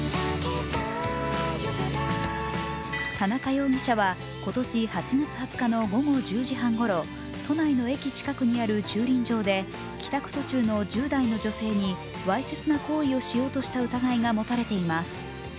田中容疑者は今年８月２０日の午後１０時半ごろ、都内の駅近くにある駐輪場で帰宅途中の１０代の女性にわいせつな行為をしようとした疑いが持たれています。